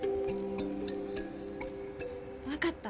わかった。